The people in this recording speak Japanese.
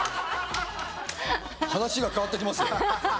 話が変わってきますよ。